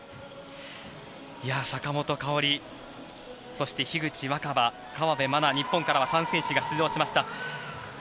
坂本花織、そして樋口新葉河辺愛菜、日本からは３選手が出場しました。